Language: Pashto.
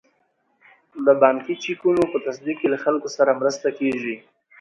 د بانکي چکونو په تصدیق کې له خلکو سره مرسته کیږي.